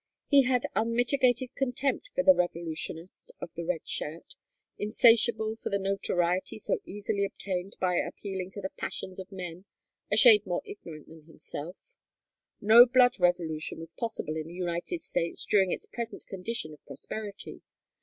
He had unmitigated contempt for the revolutionist of the red shirt, insatiable for the notoriety so easily obtained by appealing to the passions of men a shade more ignorant than himself; no blood revolution was possible in the United States during its present condition of prosperity.